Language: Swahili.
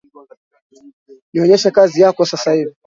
Nionyeshe kazi yako sasa hivi